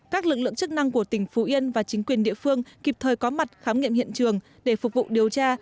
các lực lượng chức năng của tỉnh phú yên và chính quyền địa phương kịp thời có mặt khám nghiệm hiện trường để phục vụ điều tra